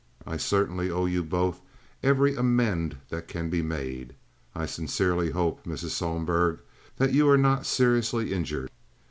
I certainly owe you both every amend that can be made. I sincerely hope, Mrs. Sohlberg, that you are not seriously injured.